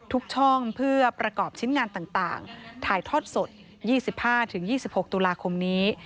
ทุกช่องเพื่อประกอบชิ้นงานต่างถ่ายทอดสด๒๕๒๖ตุลาคมนี้